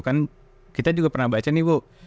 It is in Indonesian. kan kita juga pernah baca nih bu